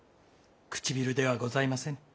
唇ではございません。